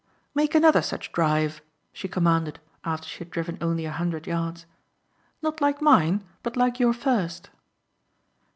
"Make another such drive," she commanded after she had driven only a hundred yards. "Not like mine, but like your first."